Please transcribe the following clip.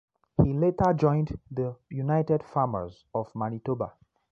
He later joined the United Farmers of Manitoba.